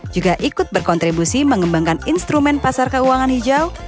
juga ikut berkontribusi mengembangkan instrumen pasar keuangan hijau